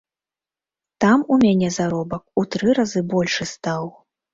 Там у мяне заробак у тры разы большы стаў.